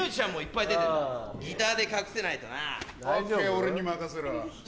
俺に任せろ。